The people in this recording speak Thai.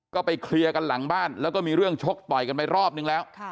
ก็ไปเคลียร์กันหลังบ้านแล้วก็มีเรื่องชกต่อยกันไปรอบนึงแล้ว